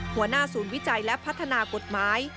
หัวหน้าศูนย์วิจัยและพัฒนากฎหมาย